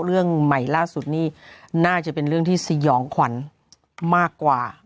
เรื่องใหม่ล่าสุดนี่น่าจะเป็นเรื่องที่สยองขวัญมากกว่า